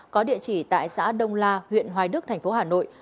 có địa chỉ tại xã đông la huyện hoài đức thành phố hà nội